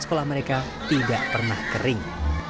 sekolah mereka tidak pernah kering